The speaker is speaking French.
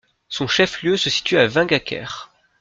Son chef-lieu se situe à Vingåker.